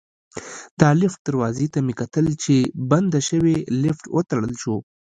د لفټ دروازې ته مې کتل چې بنده شوې، لفټ وتړل شو.